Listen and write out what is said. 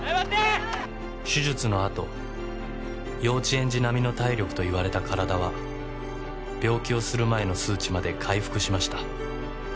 手術のあと幼稚園児並みの体力といわれた体は病気をする前の数値まで回復しました